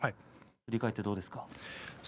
振り返ってどうですか？